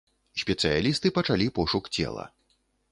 Спецыялісты пачалі пошук цела.